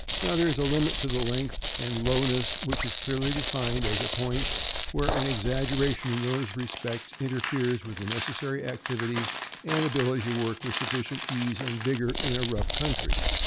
Now there is a limit to length and lowness, which is clearly defined as a point where an exaggeration in those respects interferes with the necessary activity and ability to work with suffi cient ease and vigor in a rough country.